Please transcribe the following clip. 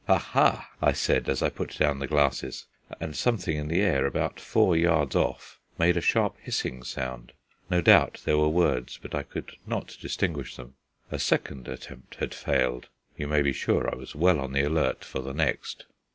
"Ha! ha!" I said, as I put down the glasses; and something in the air, about four yards off, made a sharp hissing sound. No doubt there were words, but I could not distinguish them. A second attempt had failed; you may be sure I was well on the alert for the next.